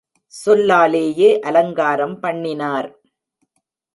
சொல்லாலேயே அலங்காரம் பண்ணினார்.